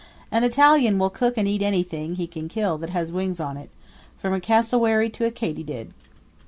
An Italian will cook and eat anything he can kill that has wings on it, from a cassowary to a katydid.